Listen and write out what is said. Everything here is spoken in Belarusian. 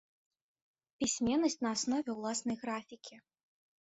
Пісьменнасць на аснове ўласнай графікі.